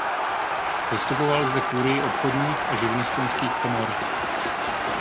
Zastupoval zde kurii obchodních a živnostenských komor.